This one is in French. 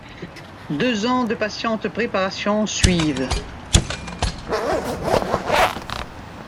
Deux ans de patiente préparation suivent.